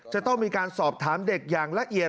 จะต้องมีการสอบถามเด็กอย่างละเอียด